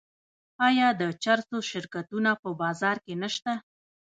آیا د چرسو شرکتونه په بازار کې نشته؟